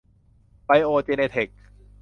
ไบโอเจเนเทค